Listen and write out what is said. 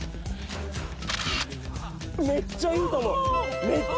めっちゃいいと思う。